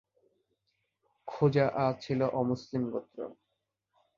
খোজাআ ছিল অমুসলিম গোত্র।